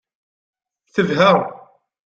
Tebha.